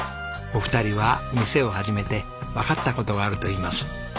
お二人は店を始めてわかった事があると言います。